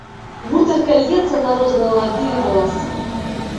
Гутарка льецца на розныя лады і галасы.